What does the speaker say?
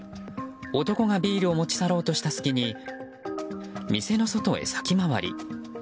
男がビールを持ち去ろうとした隙に店の外へ先回り。